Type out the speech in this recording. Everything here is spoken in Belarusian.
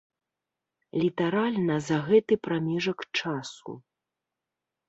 Літаральна за гэты прамежак часу.